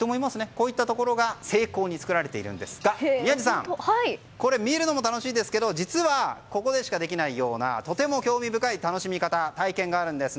こういったところが精巧に作られているんですが宮司さん見るのも楽しいんですがここでしかできないようなとても興味深い楽しみ方体験があるんです。